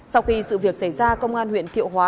sau khi sự việc xảy ra công an huyện thiệu hóa